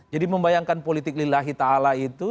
jadi membayangkan politik lillahi ta'ala itu